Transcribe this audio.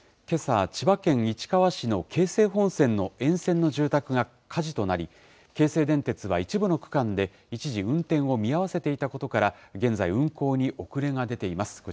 けさ、千葉県市川市の京成本線の沿線の住宅が火事となり、京成電鉄は一部の区間で一時運転を見合わせていたことから、現在、運行に遅れが出ています。